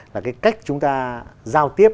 là cái cách chúng ta giao tiếp